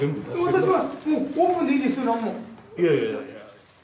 私はもうオープンでいいですいやいやいや。